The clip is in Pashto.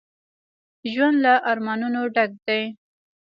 ژوند له ارمانونو ډک دی